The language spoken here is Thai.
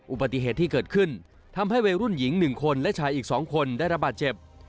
อุบัติเหตุที่เกิดขึ้นทำให้วัยรุ่นหญิง๑คนและชายอีก๒คนได้ระบาดเจ็บ